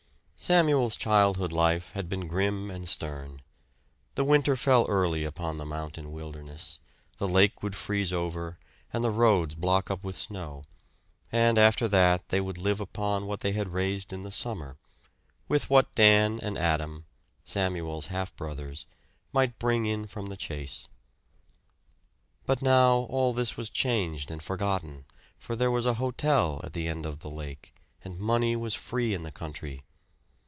Samuel's childhood life had been grim and stern. The winter fell early upon the mountain wilderness; the lake would freeze over, and the roads block up with snow, and after that they would live upon what they had raised in the summer, with what Dan and Adam Samuel's half brothers might bring in from the chase. But now all this was changed and forgotten; for there was a hotel at the end of the lake, and money was free in the country.